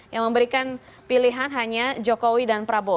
yang memberikan pilihan hanya jokowi dan prabowo